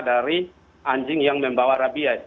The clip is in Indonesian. dari anjing yang membawa rabies